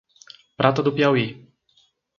Prata do Piauí